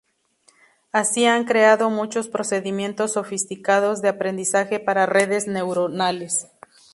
Así han creado muchos procedimientos sofisticados de aprendizaje para redes neuronales.